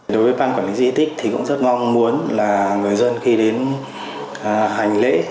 đối với ban quản lý di tích thì cũng rất mong muốn là người dân khi đến hành lễ